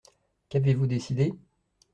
Qu’avez-vous décidé ?